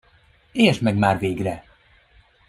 Értsd meg már végre!